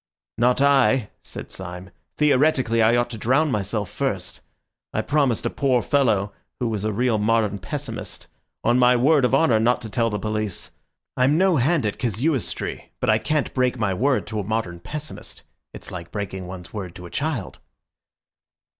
"Not I," said Syme. "Theoretically I ought to drown myself first. I promised a poor fellow, who was a real modern pessimist, on my word of honour not to tell the police. I'm no hand at casuistry, but I can't break my word to a modern pessimist. It's like breaking one's word to a child."